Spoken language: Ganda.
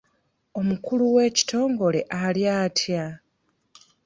Omukulu w'ekitongole ali atya?